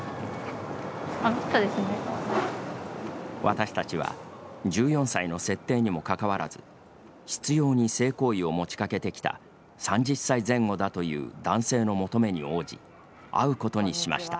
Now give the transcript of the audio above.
私たちは１４歳の設定にも関わらず執ように性行為を持ちかけてきた３０歳前後だという男性の求めに応じ会うことにしました。